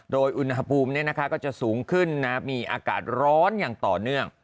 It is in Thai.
โดยอุณหภูมิก็จะสูงขึ้นมีอากาศร้อนอย่างต่อเนื่อง